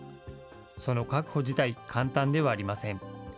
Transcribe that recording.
その確保自体、簡単ではありません。